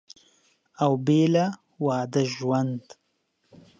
او بېله واده ژوند